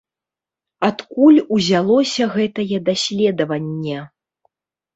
Адкуль узялося гэтае даследаванне?